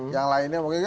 yang lainnya mungkin